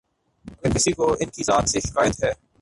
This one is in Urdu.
اگر کسی کو ان کی ذات سے شکایت ہے۔